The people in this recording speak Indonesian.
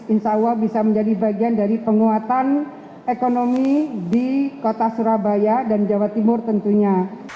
insya allah bisa menjadi bagian dari penguatan ekonomi di kota surabaya dan jawa timur tentunya